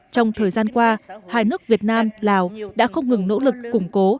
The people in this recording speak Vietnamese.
trong thời gian qua hai nước việt nam lào đã không ngừng nỗ lực củng cố